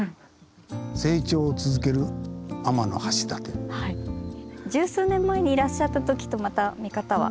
でもそれから十数年前にいらっしゃった時とまた見方は。